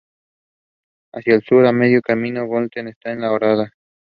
Hacia el Sur, a medio camino de Belmonte, está la Horadada.